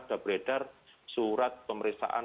sudah beredar surat pemeriksaan